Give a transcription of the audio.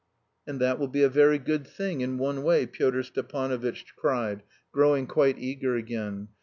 "And that will be a very good thing in one way," Pyotr Stepanovitch cried, growing quite eager again.